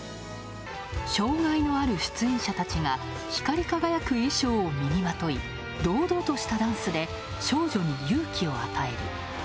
障害のある出演者たちが光り輝く衣装を身にまとい、堂々としたダンスで少女に勇気を与える。